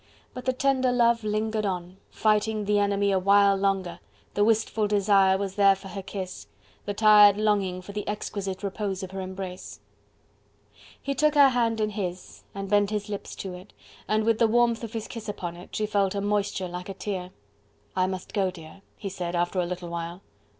But the tender love lingered on, fighting the enemy a while longer, the wistful desire was there for her kiss, the tired longing for the exquisite repose of her embrace. He took her hand in his, and bent his lips to it, and with the warmth of his kiss upon it, she felt a moisture like a tear. "I must go, dear," he said, after a little while.